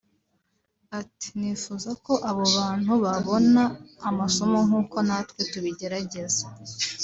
Ati “Nifuza ko abo bantu babona amasomo nk’uko natwe tubigerageza